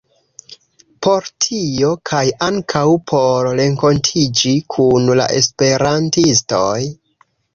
Por tio, kaj ankaŭ por renkontiĝi kun la esperantistoj